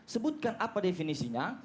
sebutkan apa definisinya